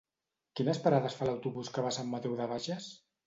Quines parades fa l'autobús que va a Sant Mateu de Bages?